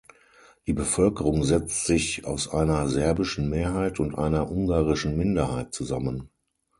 Die Bevölkerung setzt sich aus einer serbischen Mehrheit und einer ungarischen Minderheit zusammen.